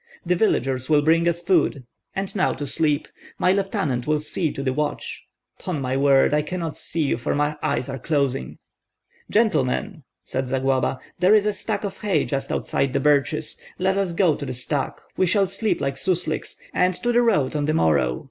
The villagers will bring us food, and now to sleep! My lieutenant will see to the watch. 'Pon my word, I cannot see you, for my eyes are closing." "Gentlemen," said Zagloba, "there is a stack of hay just outside the birches; let us go to the stack, we shall sleep like susliks, and to the road on the morrow.